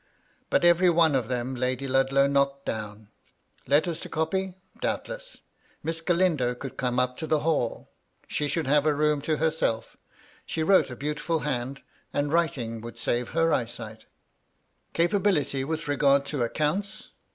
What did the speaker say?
But every one of them Lady Ludlow knocked down. Letters to copy? Doubtless. Miss Galindo could come up to the hall; she should have a room to herself; she wrote a beautiful hand; and writing would save her eyesight '* Capability with regard to accounts